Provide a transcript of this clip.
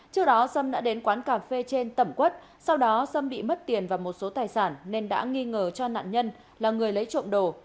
trước đó xâm đã đến quán cà phê trên tẩm quất sau đó xâm bị mất tiền và một số tài sản nên đã nghi ngờ cho nạn nhân là người lấy trộm đồ